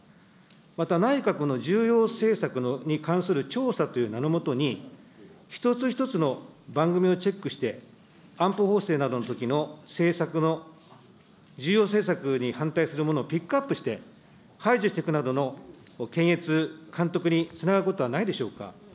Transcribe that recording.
また内閣の重要政策に関する調査という名の下に、一つ一つの番組をチェックして、安保法制などのときの、政策の、重要政策に反対するものをピックアップして、排除していくなどの検閲、監督につながることはないでしょうか。